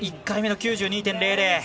１回目の９２．００。